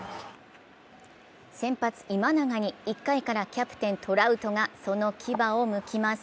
先発・今永に１回からキャプテン・トラウトがその牙をむきます。